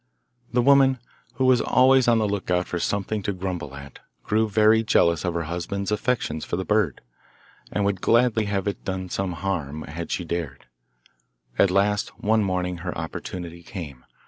The woman, who was always on the look out for something to grumble at, grew very jealous of her husband's affection for the bird, and would gladly have done it some harm had she dared. At last, one morning her opportunity came.